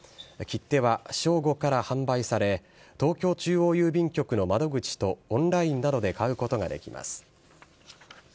切手は正午から販売され、東京中央郵便局の窓口とオンラインなどで買うことができます。